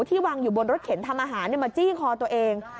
ที่วางอยู่บนรถเข็นทำอาหารมาจี้คอตัวเอง